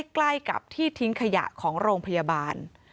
ใกล้กับที่ทิ้งขยะของโรงพยาบาล